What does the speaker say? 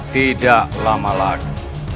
tidak lama lagi